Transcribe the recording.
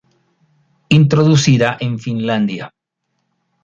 Introducida en Finlandia.